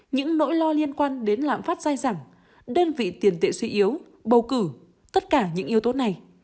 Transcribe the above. những nỗi lo liên quan đến lạm phát dai dẳng đơn vị tiền tệ suy yếu bầu cử tất cả những yếu tố này